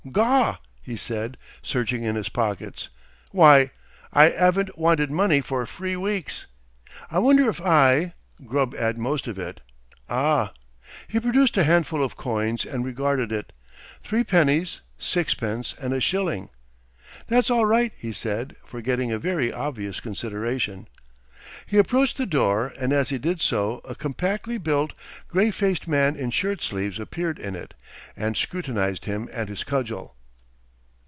"Gaw!" he said searching in his pockets. "Why! I 'aven't wanted money for free weeks! I wonder if I Grubb 'ad most of it. Ah!" He produced a handful of coins and regarded it; three pennies, sixpence, and a shilling. "That's all right," he said, forgetting a very obvious consideration. He approached the door, and as he did so a compactly built, grey faced man in shirt sleeves appeared in it and scrutinised him and his cudgel.